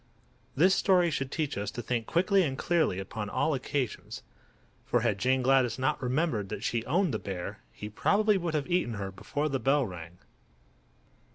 This story should teach us to think quickly and clearly upon all occasions; for had Jane Gladys not remembered that she owned the bear he probably would have eaten her before the bell rang.